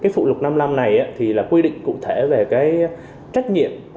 phụ lục năm mươi năm này là quy định cụ thể về trách nhiệm